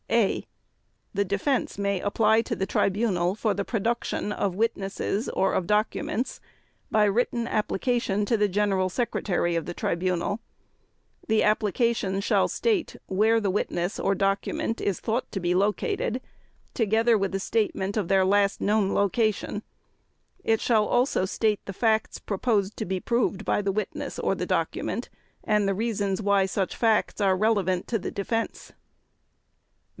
_ (a) The Defense may apply to the Tribunal for the production of witnesses or of documents by written application to the General Secretary of the Tribunal. The application shall state where the witness or document is thought to be located, together with a statement of their last known location. It shall also state the facts proposed to be proved by the witness or the document and the reasons why such facts are relevant to the Defense.